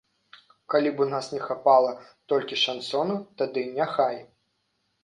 Калі б у нас не хапала толькі шансону, тады няхай.